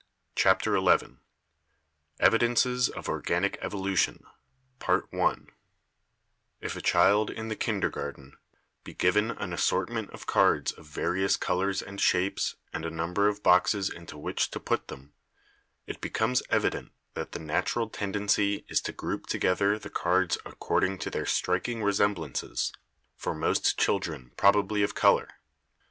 CHAPTER XI EVIDENCES OF ORGANIC EVOLUTION; CLASSIFICATION, PA LEONTOLOGY, DISTRIBUTION, DOMESTICATION If a child in the kindergarten be given an assortment of cards of various colors and shapes and a number of boxes into which to put them, it becomes evident that the natural tendency is to group together the cards according to their striking resemblances, for most children probably of color.